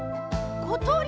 ことり？